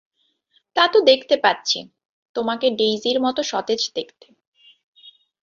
তাতো দেখতে পাচ্ছি, তোমাকে ডেইজির মতো সতেজ দেখতে।